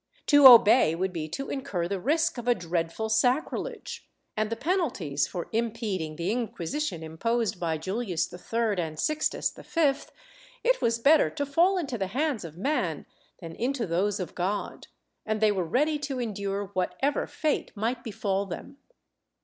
To obey would be to incur the risk of a dreadful sacrilege, and the penalties for impeding the Inquisition imposed by Juhus III and Sixtus V ; it was better to fall into the hands of man than into those of God, and they were ready to endure w^hatever fate might befall them.